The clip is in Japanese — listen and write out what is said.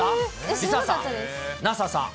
梨紗さん、奈紗さん。